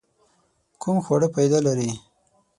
کوم خواړه فائده لري؟